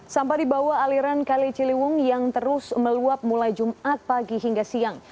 sampah dibawa aliran kali ciliwung yang terus meluap mulai jumat pagi hingga siang